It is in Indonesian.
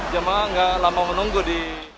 jemaah nggak lama menunggu di